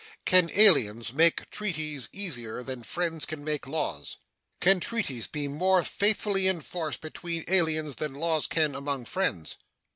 Can aliens make treaties easier than friends can make laws? Can treaties be more faithfully enforced between aliens than laws can among friends?